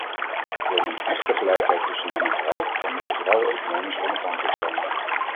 Wil men echte gelijkheid tussen man en vrouw, dan moeten vrouwen economisch onafhankelijk zijn.